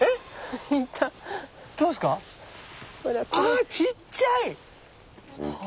あちっちゃい！は。